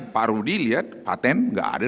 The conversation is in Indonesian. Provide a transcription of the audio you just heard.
pak rudi lihat patent enggak ada